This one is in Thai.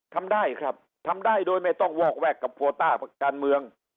ทำได้ครับทำได้โดยไม่ต้องวอกแวกกับโคต้าการเมือง